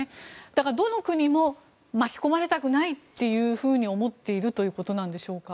だから、どの国も巻き込まれたくないというふうに思っているということなんでしょうか。